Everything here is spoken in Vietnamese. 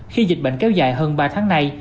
khi dịch bệnh kéo dài hơn ba tháng nay